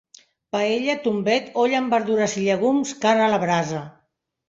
Paella, tombet, olla amb verdures i llegums, carn a la brasa.